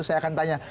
saya akan tanya